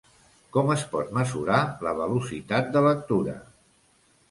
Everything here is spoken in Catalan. Com es pot mesurar la velocitat de lectura?